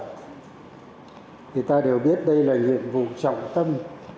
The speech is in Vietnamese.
thì ta đều biết đây là nhiệm vụ trọng tâm